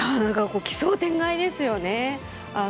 奇想天外ですよね。